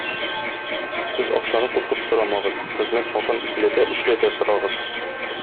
Сез акчаны куркып сорамагыз, хезмәт хакын икеләтә-өчләтә сорагыз.